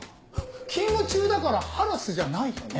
勤務中だからハラスじゃないよね？